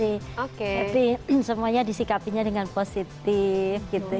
tapi semuanya disikapinya dengan positif gitu